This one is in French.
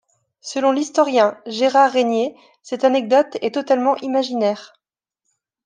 Selon l'historien Gérard Régnier, cette anecdote est totalement imaginaire.